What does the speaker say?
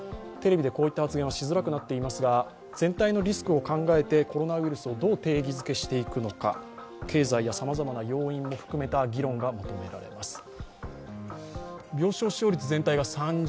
テレビでこういった発言はしづらくなっていますが全体のリスクを考えてコロナウイルスをどう定義つけしていくのか、経済などさまざまな要因を含めた議論が求められます。